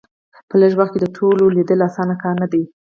په لږ وخت کې د ټولو لیدل اسانه کار نه دی.